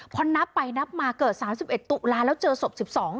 พอนับไปนับมาเกิด๓๑ตุลาแล้วเจอศพ๑๒